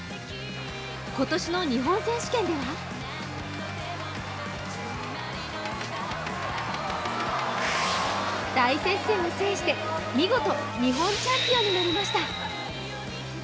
今年の日本選手権では大接戦を制して見事日本チャンピオンになりました。